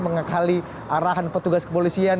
mengakali arahan petugas kepolisian